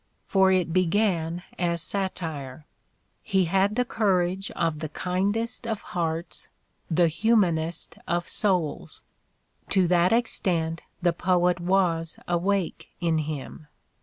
For it began as satire. He had the courage of the kindest of hearts, the humanest of souls: to that extent the poet was awake in him.